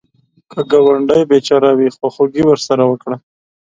که ګاونډی بېچاره وي، خواخوږي ورسره وکړه